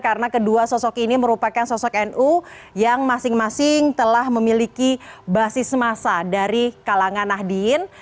karena kedua sosok ini merupakan sosok nu yang masing masing telah memiliki basis masa dari kalangan nahdin